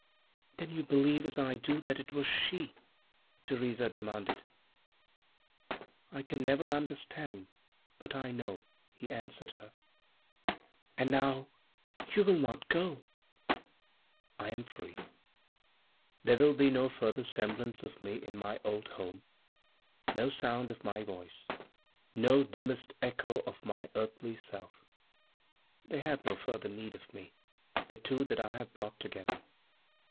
"Then you believe, as I do, that it was she?" Theresa demanded. "I can never understand, but I know," he answered her. "And now you will not go?" *I am freed. There will be no further semblance of me in my old home, no sound of my voice, no dimmest echo of my earthly self. They have no further need of me, the two that I have brought together.